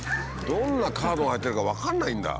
どんなカードが入ってるか分かんないんだ。